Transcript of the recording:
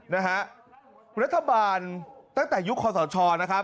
นะฮะรัฐบาลตั้งแต่ยุคคอสชนะครับ